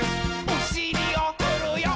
おしりをふるよ。